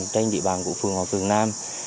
trên địa bàn của phường hòa cường nam